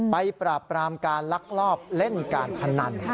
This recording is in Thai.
ปราบปรามการลักลอบเล่นการพนัน